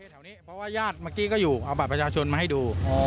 แถวนี้เพราะว่าญาติเมื่อกี้ก็อยู่เอาบัตรประชาชนมาให้ดู